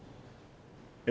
え。